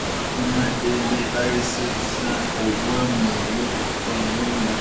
Abakuumaddembe baayolesezza obwa mwoyogwaggwanga.